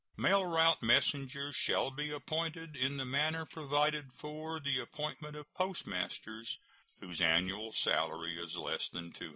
Mail route messengers shall be appointed in the manner provided for the appointment of postmasters whose annual salary is less than $200.